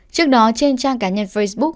trước đó trên trang cá nhân facebook